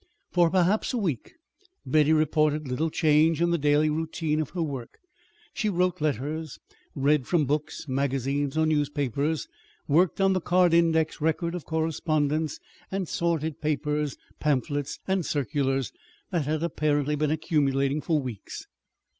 For perhaps a week Betty reported little change in the daily routine of her work. She wrote letters, read from books, magazines, or newspapers, worked on the card index record of correspondence, and sorted papers, pamphlets, and circulars that had apparently been accumulating for weeks.